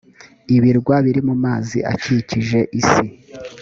ibirwa biri mu mazi akikije isi.